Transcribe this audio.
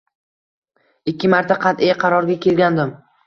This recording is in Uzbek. Ikki marta qat`iy qarorga kelgandim